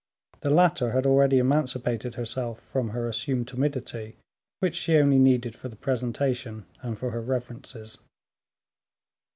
The latter had already emancipated herself from her assumed timidity, which she only needed for the presentation and for her reverences.